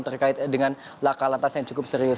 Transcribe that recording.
terkait dengan laka lantas yang cukup serius